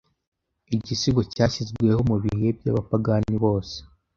Igisigo cyashizweho mubihe byabapagani bose